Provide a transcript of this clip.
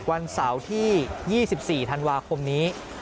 วันเสาร์ที่๒๔ธันวาคมนี้